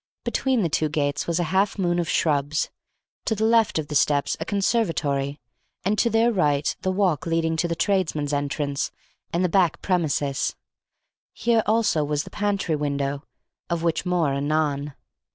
Between the two gates was a half moon of shrubs, to the left of the steps a conservatory, and to their right the walk leading to the tradesmen's entrance and the back premises; here also was the pantry window, of which more anon.